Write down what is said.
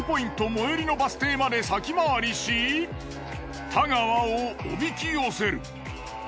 最寄りのバス停まで先回りし太川をおびき寄せる。